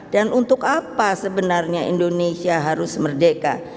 dan untuk apa sebenarnya indonesia harus merdeka